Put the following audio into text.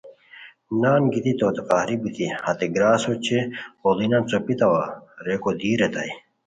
نان گیتی توتے قہری بیتی ہتے گراس اوچے اوڑینان څوپیتاوا ریکو دی ریتائے